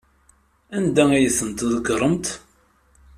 Anda ay tent-tḍeggremt?